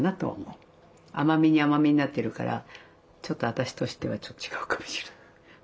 甘みに甘みになってるからちょっと私としてはちょっと違うかもしれない。